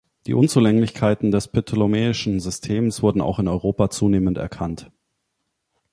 Die Unzulänglichkeiten des ptolemäischen Systems wurden auch in Europa zunehmend erkannt.